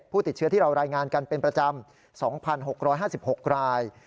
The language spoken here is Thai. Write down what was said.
ผู้ติดเชื้อที่เรารายงานกันเป็นประจำ๒๖๕๖ราย